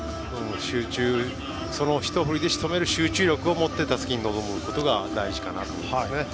その一振りでしとめる集中力を持って打席に立つことが大事かなと思いますね。